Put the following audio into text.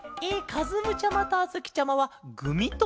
かずむちゃまとあづきちゃまはグミともケロね。